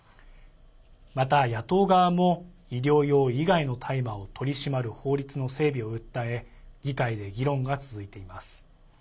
また、野党側も医療用以外の大麻を取り締まる法律の整備を訴え議会で議論が続いています。